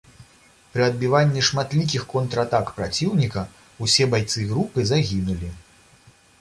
Пры адбіванні шматлікіх контратак праціўніка усе байцы групы загінулі.